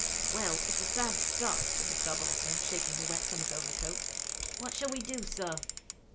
'Well, it's a bad start,' said the subaltern, shaking the wet from his overcoat. 'What shall we do, sir?'